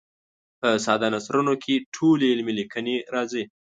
په ساده نثرونو کې ټولې علمي لیکنې راځي.